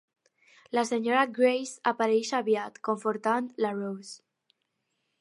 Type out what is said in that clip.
La senyora Grace apareix aviat, confortant la Rose.